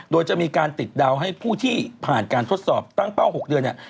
โดยจะมีการติดดาวให้ผู้ที่ผ่านการทดสอบตั้งเป้า๖เดือนเนี่ย